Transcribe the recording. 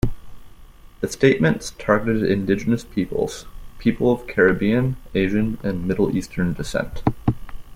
The statements targeted indigenous peoples, people of Caribbean, Asian, and middle-eastern descent.